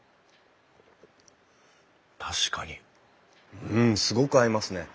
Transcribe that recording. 確かにうんすごく合いますね。